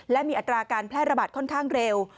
และมีอัตราการแพร่ระบาดค่อนข้างเร็ว